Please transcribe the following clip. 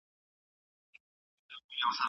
د بندونو ناروغي یوازې د عمر له امله نه رامنځته کېږي.